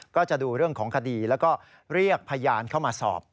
ก็จะดูเรื่องของคดีแล้วก็เรียกพยานเข้ามาสอบ